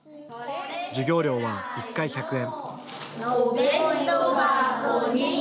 授業料は１回１００円。